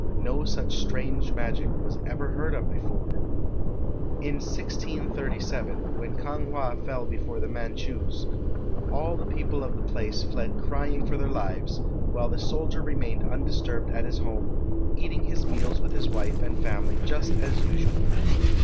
No such strange magic was ever heard of before. In 1637, when Kang wha fell before the Manchus, all the people of the place fled crying for their lives, while the soldier remained undisturbed at his home, eating his meals with his wife and family just as usual.